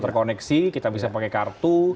terkoneksi kita bisa pakai kartu